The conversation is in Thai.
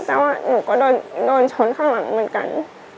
แต่ว่าหนูก็โดนชนข้างหลังเหมือนกัน